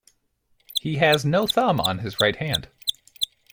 He has no thumb on his right hand.